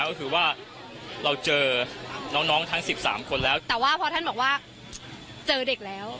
ก็คือว่าเราเจอน้องน้องทั้งสิบสามคนแล้วแต่ว่าพอท่านบอกว่าเจอเด็กแล้ว